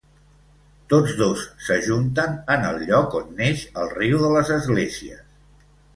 Tots dos s'ajunten en el lloc on neix el riu de les Esglésies.